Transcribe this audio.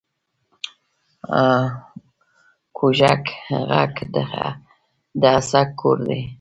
کوږک غر د اڅک کور دی